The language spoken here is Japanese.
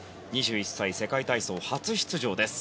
２１歳、世界体操初出場です。